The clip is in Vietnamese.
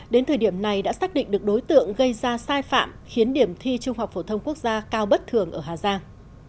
đến thời điểm này đã xác định được đối tượng gây ra sai phạm khiến điểm thi trung học phổ thông quốc gia cao bất thường ở hà giang